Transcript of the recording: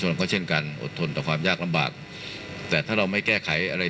ทรงมีลายพระราชกระแสรับสู่ภาคใต้